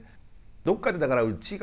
どっかでだからうちがですね